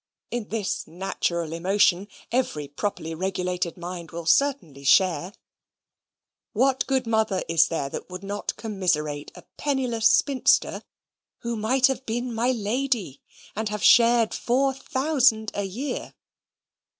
In this natural emotion every properly regulated mind will certainly share. What good mother is there that would not commiserate a penniless spinster, who might have been my lady, and have shared four thousand a year?